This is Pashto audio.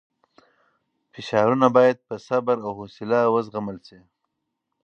فشارونه باید په صبر او حوصله وزغمل شي.